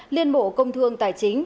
liên bộ công thương tài chính